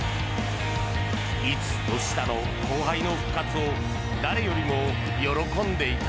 ５つ年下の後輩の復活を誰よりも喜んでいた。